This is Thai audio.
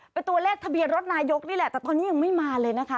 เป็นตัวเลขทะเบียนรถนายกนี่แหละแต่ตอนนี้ยังไม่มาเลยนะคะ